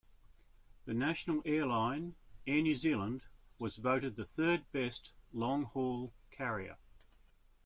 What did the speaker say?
The national airline, Air New Zealand, was voted third-best long-haul carrier.